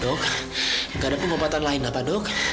dok gak ada pengobatan lain apa dok